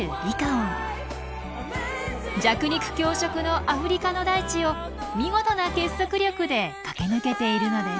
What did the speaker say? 弱肉強食のアフリカの大地を見事な結束力で駆け抜けているのです。